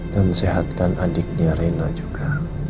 dan sehatkan adiknya rina juga